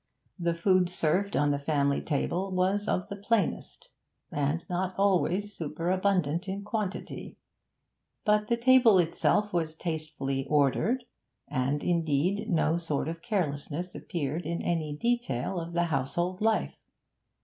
The food served on the family table was of the plainest, and not always superabundant in quantity; but the table itself was tastefully ordered, and, indeed, no sort of carelessness appeared in any detail of the household life.